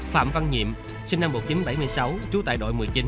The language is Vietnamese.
phạm văn nhiệm sinh năm một nghìn chín trăm bảy mươi sáu trú tại đội một mươi chín